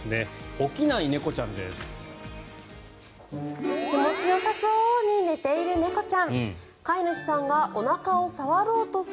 起きない猫ちゃんです。